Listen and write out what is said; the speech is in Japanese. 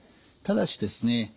ただしですね